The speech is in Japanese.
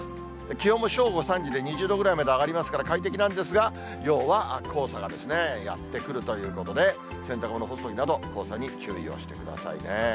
気温も正午、３時で２０度ぐらいまで上がりますから快適なんですが、ようは黄砂がやって来るということで、洗濯物干すときなど、黄砂に注意をしてくださいね。